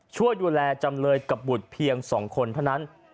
ช่วยดูแลจำเลยกับบุตรเพียง๒คนเท่านั้น